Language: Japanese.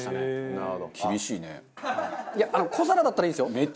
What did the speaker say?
いや小皿だったらいいんですよ。